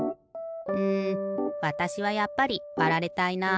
うんわたしはやっぱりわられたいな。